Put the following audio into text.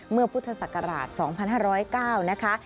พุทธศักราช๒๕๐๙นะคะ